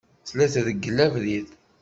Tella treggel abrid.